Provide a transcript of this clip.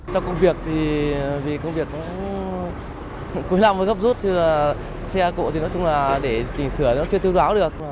trong công việc thì vì công việc nó cúi lòng và gấp rút thì xe cụ thì nói chung là để trình sửa nó chưa chứng đoán được